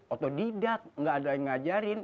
otodidak nggak ada yang ngajarin